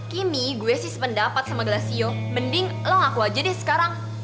kimi gue sih sependapat sama glacio mending lo ngaku aja deh sekarang